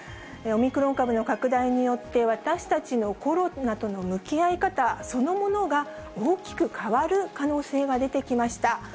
オミクロン株の拡大によって、私たちのコロナとの向き合い方そのものが、大きく変わる可能性が出てきました。